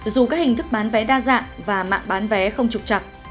dù các hình thức bán vé đa dạng và mạng bán vé không trục chặt